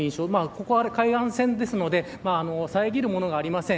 こちらは海岸線なので遮るものがありません。